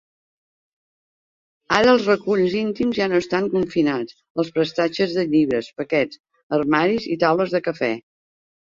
Ara els reculls íntims ja no estan confinats als prestatges de llibres, paquets, armaris i taules de cafè.